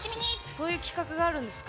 そういう企画があるんですか。